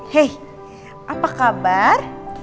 hei apa kabar